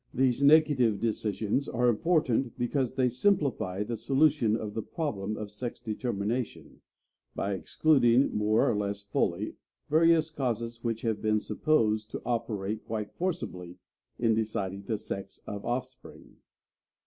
These negative decisions are important because they simplify the solution of the problem of sex determination, by excluding, more or less fully, various causes which have been supposed to operate quite forcibly in deciding the sex of offspring.